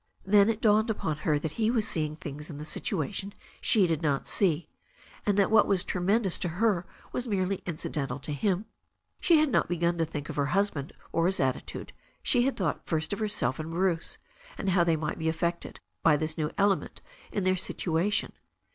Then it dawned upon her that he was seeing things in the situation she did not see, and that what was tremendous to her was merely incidental to him. She had not begun to think of her husband or his attitude; she had thought first of herself and Bruce, and how they might be affected by this new element in their situation.